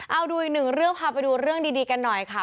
เอาดูอีกหนึ่งเรื่องพาไปดูเรื่องดีกันหน่อยค่ะ